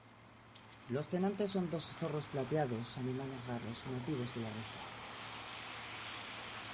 Los tenantes son dos zorros plateados, animales raros nativos de la región.